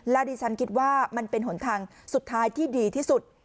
และดิฉันคิดว่ามันเป็นหนทางสุดท้ายที่ดีที่สุด